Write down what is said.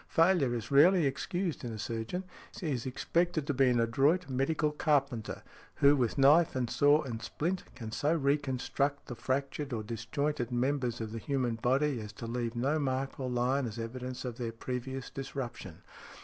"Failure is rarely excused in a surgeon. He is expected to be an adroit medical carpenter who, with knife and saw and splint, can so re construct the fractured or disjointed members of the human body as to leave no mark or line as evidence of their previous |78| disruption.